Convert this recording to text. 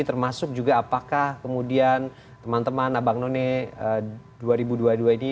termasuk juga apakah kemudian teman teman abang none dua ribu dua puluh dua ini